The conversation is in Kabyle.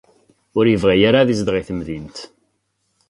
Ur yebɣi ara ad izdeɣ deg temdint.